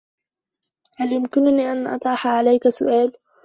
هل يمكنني أن أطرح عليك سؤالا؟